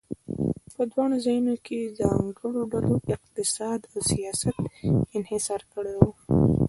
په دواړو ځایونو کې ځانګړو ډلو اقتصاد او سیاست انحصار کړی و.